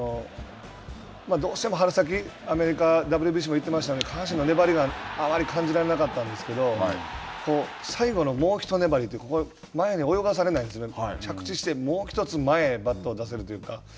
どうしても春先、アメリカ、ＷＢＣも行ってましたので、下半身の粘りがあまり感じられなかったんですけど、最後のもう一粘り、ここ前に泳がされないんですね、着地して、もう一つ前にバットを出せるというか。